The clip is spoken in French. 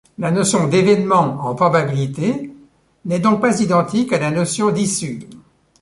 La notion d'événement en probabilités n'est donc pas identique à la notion d'issue.